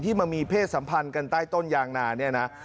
มามีเพศสัมพันธ์กันใต้ต้นยางนาเนี่ยนะ